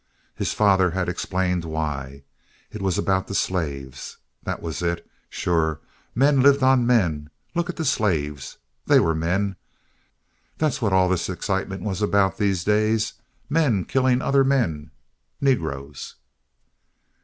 His father had explained why. It was about the slaves. That was it! Sure, men lived on men. Look at the slaves. They were men. That's what all this excitement was about these days. Men killing other men—negroes.